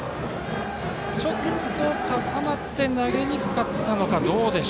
ちょっと重なって投げにくかったのか。